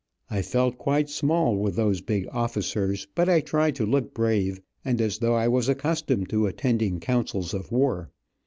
I felt quite small with those big officers, but I tried to look brave, and as though I was accustomed to attending councils of war.